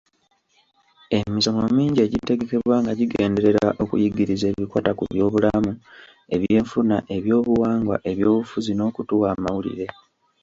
Emisomo mingi egitegekebwa nga gigenderera okuyigiriza ebikwata ku byobulamu, ebyenfuna, ebyobuwangwa, ebyobufuzi; n’okutuwa amawulire.